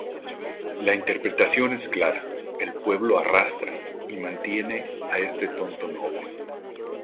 La interpretación es clara, el pueblo arrastra y mantiene a este tonto noble.